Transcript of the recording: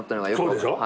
そうでしょ？